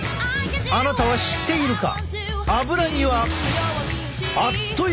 あなたは知っているか？